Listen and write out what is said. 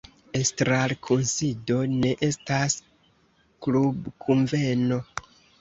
Estrarkunsido ne estas klubkunveno.